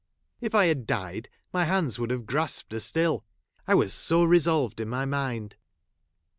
If I had died, my Ininds would have grasped her still ; I was so 1 ; resolved in my mind.